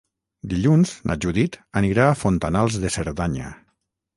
Dilluns na Judit anirà a Fontanals de Cerdanya.